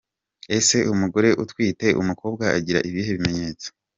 Ese umugore utwite umukobwa agira ibihe bimenyetso?.